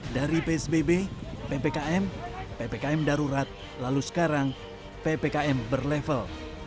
dari psbb ppkm ppkm darurat lalu sekarang ppkm berlevel